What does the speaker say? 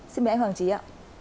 xin mời anh hoàng trí ạ